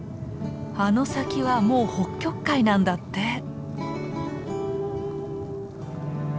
あの先はもう北極海なんだって。